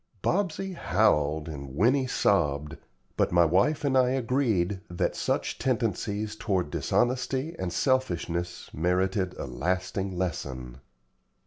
Bobsey howled, and Winnie sobbed, but my wife and I agreed that such tendencies toward dishonesty and selfishness merited a lasting lesson.